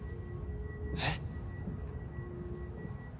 えっ？